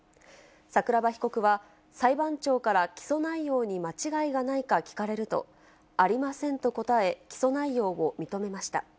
桜庭被告は、裁判長から起訴内容に間違いがないか聞かれると、ありませんと答え、起訴内容を認めました。